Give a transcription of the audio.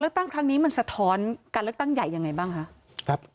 ตั้งครั้งนี้มันสะท้อนการเลือกตั้งใหญ่ยังไงบ้างคะ